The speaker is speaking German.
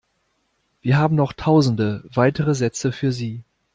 Wir haben noch tausende weitere Sätze für Sie.